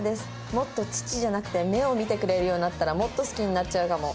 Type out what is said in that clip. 「もっと乳じゃなくて目を見てくれるようになったらもっと好きになっちゃうかも」。